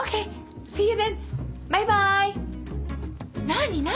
何何？